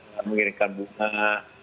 saya mengirimkan bunga